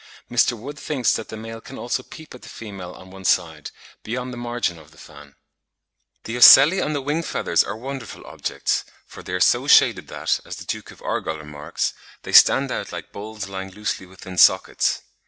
Mr. Wood thinks that the male can also peep at the female on one side, beyond the margin of the fan. The ocelli on the wing feathers are wonderful objects; for they are so shaded that, as the Duke of Argyll remarks (90. 'The Reign of Law,' 1867, p. 203.), they stand out like balls lying loosely within sockets.